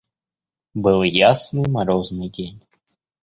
Был ясный морозный день.